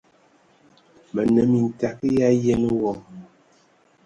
Mə anə mintag yi ayen wɔ!